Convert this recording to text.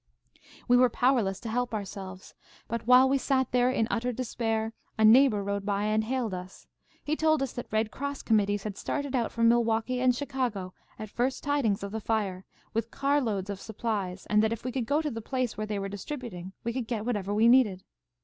"We were powerless to help ourselves. But while we sat there in utter despair, a neighbour rode by and hailed us. He told us that Red Cross committees had started out from Milwaukee and Chicago at first tidings of the fire, with car loads of supplies, and that if we could go to the place where they were distributing we could get whatever we needed.